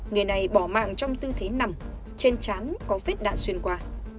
người này bỏ mạng trong tư thế nằm trên chán có vết đạn xuyên qua